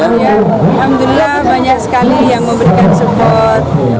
alhamdulillah banyak sekali yang memberikan support